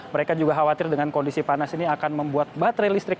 mereka juga khawatir dengan kondisi panas ini akan membuat baterai listrik